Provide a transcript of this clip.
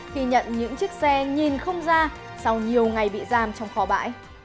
khi nhận những chiếc xe nhìn không ra sau nhiều ngày bị giam trong kho bãi